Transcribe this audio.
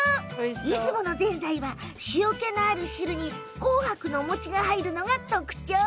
出雲のぜんざいは塩けのある汁に紅白のお餅を入れるのが特徴。